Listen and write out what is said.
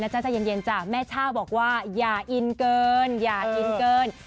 จ้าใจเย็นจ้ะแม่ช่าบอกว่าอย่าอินเกินอย่าอินเกิน